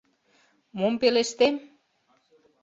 Мом пелештем?